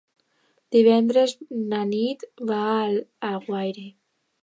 Divendres na Nit va a Alguaire.